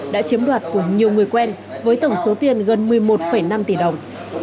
đã chiếm đoạt của nhiều người quen với tổng số tiền gần một mươi một năm tỷ đồng